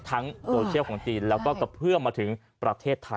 โซเชียลของจีนแล้วก็กระเพื่อมมาถึงประเทศไทย